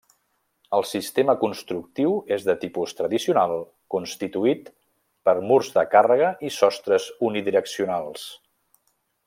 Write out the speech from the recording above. El sistema constructiu és de tipus tradicional constituït per murs de càrrega i sostres unidireccionals.